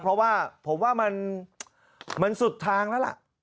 เพราะว่าผมว่ามันสุดทางแล้วล่ะ